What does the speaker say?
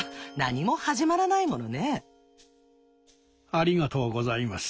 ありがとうございます。